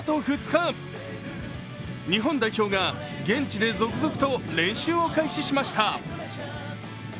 日本代表が現地で続々と練習を開始しました。